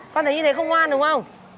con thấy như thế không ngoan đúng không